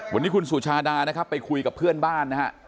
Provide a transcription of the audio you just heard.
วันนี้คุณสุชาดานะครับไปคุยกับเพื่อนบ้านนะฮะ